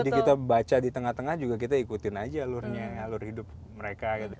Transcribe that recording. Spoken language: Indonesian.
jadi kita baca di tengah tengah juga kita ikutin aja alurnya alur hidup mereka gitu